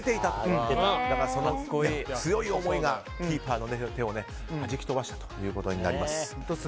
だからその強い思いがキーパーの手をはじき飛ばしたということになります。